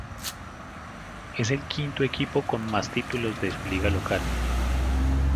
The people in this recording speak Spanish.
Es el quinto equipo con más títulos de su liga local.